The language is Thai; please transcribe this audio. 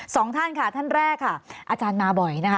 สองท่านค่ะท่านแรกค่ะอาจารย์มาบ่อยนะคะ